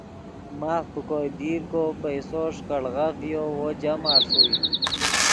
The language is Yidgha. ماف پے کوئے دیر کو پیسو ݰیکڑغف ڤیو وو جمع ݰوئے